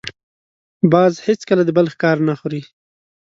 باز هېڅکله د بل ښکار نه خوري